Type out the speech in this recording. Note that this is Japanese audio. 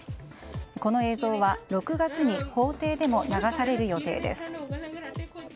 この映像は６月に法廷でも流される予定です。